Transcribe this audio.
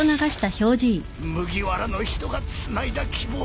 麦わらの人がつないだ希望だ。